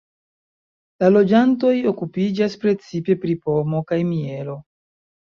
La loĝantoj okupiĝas precipe pri pomo kaj mielo.